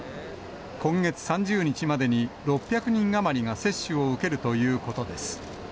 今月３０日までに６００人余りが接種を受けるということです。